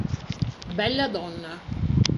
Bella Donna